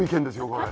これ。